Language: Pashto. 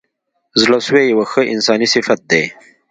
زړه سوی یو ښه انساني صفت دی.